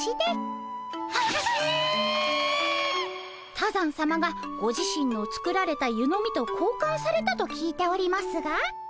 多山さまがご自身の作られた湯飲みとこうかんされたと聞いておりますが。